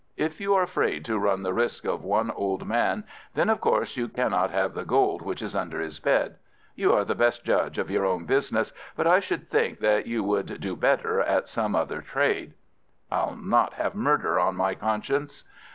If you are afraid to run the risk of one old man, then of course you cannot have the gold which is under his bed. You are the best judge of your own business, but I should think that you would do better at some other trade." "I'll not have murder on my conscience."